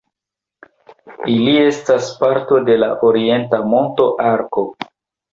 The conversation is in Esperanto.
Ili estas parto de la Orienta Monta Arko.